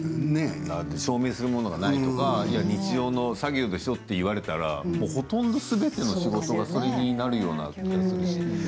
証明するものがないから日常の作業でしょ？って言われたらほとんどすべての仕事がそれになるような気がするし。